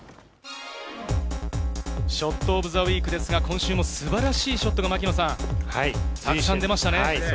ショット・オブ・ザ・ウイークですが、今週も素晴らしいショットがたくさんでましたね。